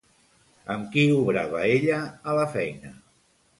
Amb qui obrava ella a la feina?